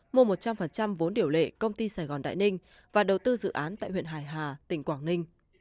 mua một trăm linh vốn điều lệ công ty sài gòn đại ninh và đầu tư dự án tại huyện hải hà tỉnh quảng ninh